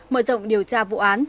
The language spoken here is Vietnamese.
mở rộng điều tra vụ án